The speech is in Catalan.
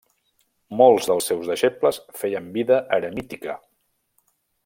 Molts dels seus deixebles feien vida eremítica.